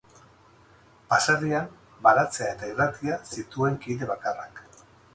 Baserrian, baratzea eta irratia zituen kide bakarrak.